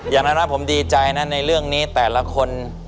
อย่างนั้นนะผมดีใจนะในเรื่องนี้แต่ละคน